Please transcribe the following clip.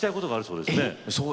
そうですね